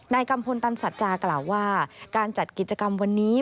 กัมพลตันสัจจากล่าว่าการจัดกิจกรรมวันนี้